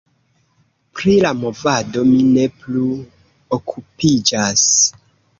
Pri la movado mi ne plu okupiĝas.